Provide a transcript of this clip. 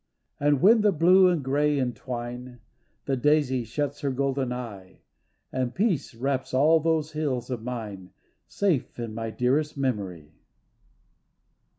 And when the blue and grey entwine The daisy shuts her golden eye, And peace wraps all those hills of mine Safe in my dearest memory.